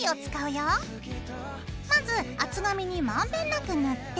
まず厚紙にまんべんなく塗って。